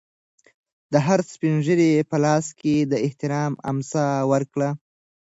د هر سپین ږیري په لاس کې د احترام امسا ورکړئ.